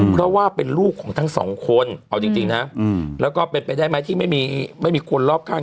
เพราะว่าเป็นลูกของทั้งสองคนเอาจริงนะแล้วก็เป็นไปได้ไหมที่ไม่มีไม่มีคนรอบข้าง